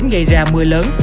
gây ra mưa lớn